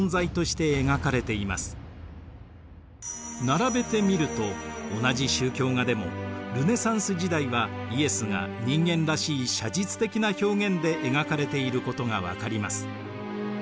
並べてみると同じ宗教画でもルネサンス時代はイエスが人間らしい写実的な表現で描かれていることが分かります。